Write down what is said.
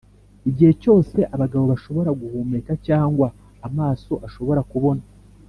igihe cyose abagabo bashobora guhumeka, cyangwa amaso ashobora kubona,